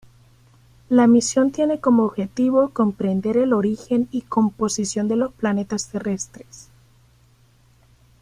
La misión tiene como objetivo comprender el origen y composición de los planetas terrestres.